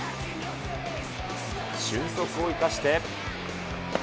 俊足を生かして。